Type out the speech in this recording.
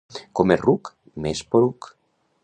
Com més ruc, més poruc.